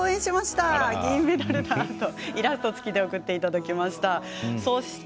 イラストつきで送っていただきました。